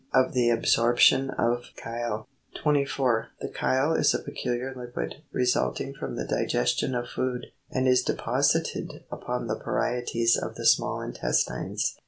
OF THE ABSORPTION OF CHYLE. 24. The chyle is a peculiar liquid, resulting from the digestion of food, and is deposited upon the parietes of the small intestines.